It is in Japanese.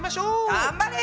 頑張れ！